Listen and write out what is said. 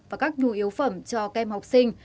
và các nhu yếu phẩm cho kem học sinh